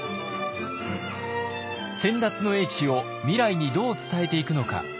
先達の英知を未来にどう伝えていくのか。